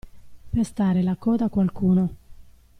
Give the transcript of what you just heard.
Pestare la coda a qualcuno.